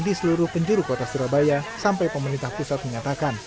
di seluruh penjuru kota surabaya sampai pemerintah pusat menyatakan